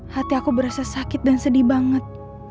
hati aku berasa sakit dan sedih banget